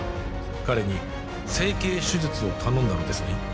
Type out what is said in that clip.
彼に整形手術を頼んだのですね？